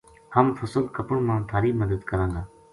ہم فصل کپن ما تھاری مدد کراں گا